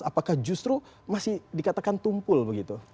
apakah justru masih dikatakan tumpul begitu